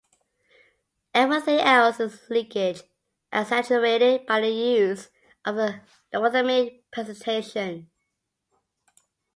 Everything else is leakage, exaggerated by the use of a logarithmic presentation.